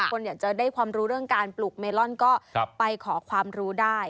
คนอยากจะได้ความรู้เรื่องการปลูกเมลอนก็ไปขอความรู้ได้